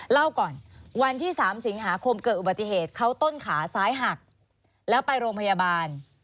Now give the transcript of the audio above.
เล่าก่อนวันที่๓สิงหาคมเกิดอุบัติเหตุเขาต้นขาซ้ายหักแล้วไปโรงพยาบาล